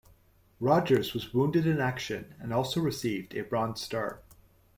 Rogers was wounded in action and also received a Bronze Star.